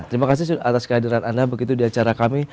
terima kasih atas kehadiran anda begitu di acara kami